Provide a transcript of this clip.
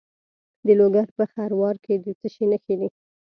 د لوګر په خروار کې د څه شي نښې دي؟